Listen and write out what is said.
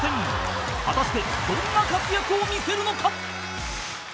［果たしてどんな活躍を見せるのか？］